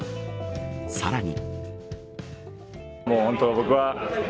さらに。